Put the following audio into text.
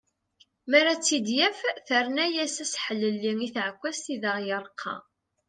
Mi ara tt-id-yaf terna-yas aseḥlelli i tεekkazt i d aɣ-yerqa.